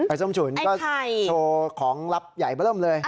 ส้มฉุนก็โชว์ของลับใหญ่มาเริ่มเลย